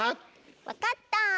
分かった！